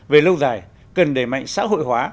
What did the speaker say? về lâu dài cần đẩy mạnh xã hội hóa